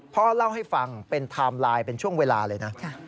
พ่อเล่าให้ฟังเป็นไทม์ไลน์เป็นช่วงเวลาเลยนะ